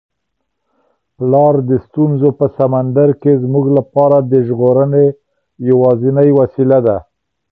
پلار د ستونزو په سمندر کي زموږ لپاره د ژغورنې یوازینۍ وسیله ده.